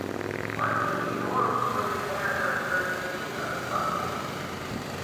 Why don't you just ignore what your parents are encouraging you to do?